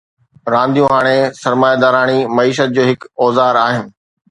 رانديون هاڻي سرمائيداراڻي معيشت جو هڪ اوزار آهن.